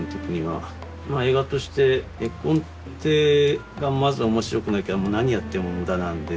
まあ映画として画コンテがまず面白くなきゃ何やっても無駄なんで。